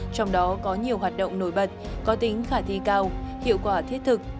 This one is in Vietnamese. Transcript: trong đó có nhiều hoạt động nổi bật có tính khả thi cao hiệu quả thiết thực